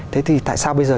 thế thì tại sao bây giờ